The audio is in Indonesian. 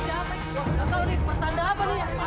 akan aku beri nama